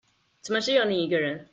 怎麼只有你一個人